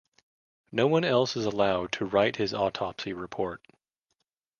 No one else is allowed to write his autopsy report.